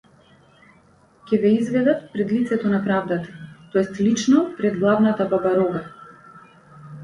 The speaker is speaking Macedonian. Ќе ве изведат пред лицето на правдата то ест лично пред главната бабарога!